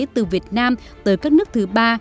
từ việt nam tới các nước thứ ba